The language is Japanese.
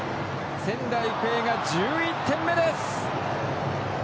仙台育英が１１点目です。